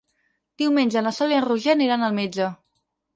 Diumenge na Sol i en Roger aniran al metge.